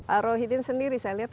arohidin sendiri saya lihat